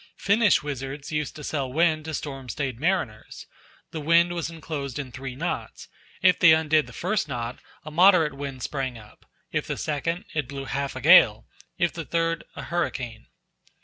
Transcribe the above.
Finnish wizards used to sell wind to storm stayed mariners. The wind was enclosed in three knots; if they undid the first knot, a moderate wind sprang up; if the second, it blew half a gale; if the third, a hurricane.